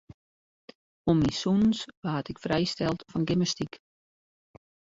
Om myn sûnens waard ik frijsteld fan gymnastyk.